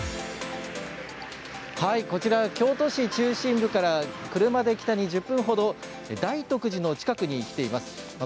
京都市中心部から車で１０分ほど大徳寺の近くに来ています。